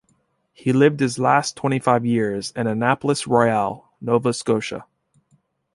He lived his last twenty-five years in Annapolis Royal, Nova Scotia.